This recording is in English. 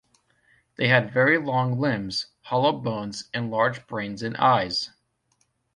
They had very long limbs, hollow bones, and large brains and eyes.